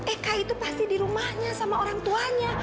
eka itu pasti di rumahnya sama orang tuanya